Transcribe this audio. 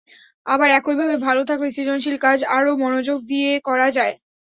আবার একইভাবে ভালো থাকলে সৃজনশীল কাজ আরও মনোযোগ দিয়ে করা যায়।